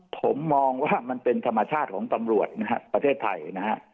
ผมมองว่ามันเป็นธรรมชาติของตำรวจนะฮะประเทศไทยนะฮะ